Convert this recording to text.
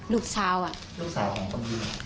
ลูกสาวของคนดี